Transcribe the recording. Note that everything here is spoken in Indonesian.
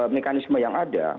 mekanisme yang ada